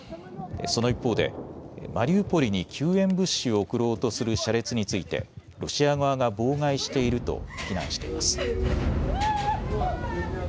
その一方でマリウポリに救援物資を送ろうとする車列についてロシア側が妨害していると非難しています。